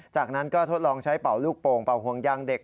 จากนั้นก็ทดลองใช้เป่าลูกโป่งเป่าห่วงยางเด็ก